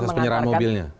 proses penyerahan mobilnya